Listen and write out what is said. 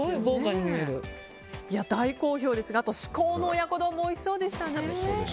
大好評ですが、至高の親子丼もおいしそうでしたね。